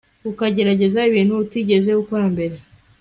ukagerageza ibintu utigeze ukora mbere